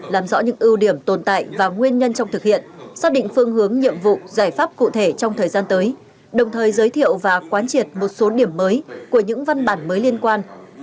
làm rõ những ưu điểm tồn tại và nguyên nhân trong thực hiện xác định phương hướng nhiệm vụ giải pháp cụ thể trong thời gian tới đồng thời giới thiệu và quán triệt một số điểm mới của những văn bản mới liên quan